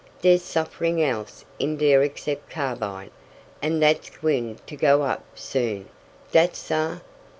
Dere's suffin' else in dere except carbide, an' dat's gwine t' go up soon, dat's suah!"